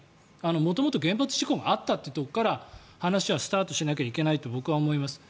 元々、原発事故があったというところから話はスタートしないといけないと思います。